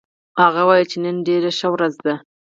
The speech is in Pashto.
هغه وایي چې نن ډېره ښه ورځ ده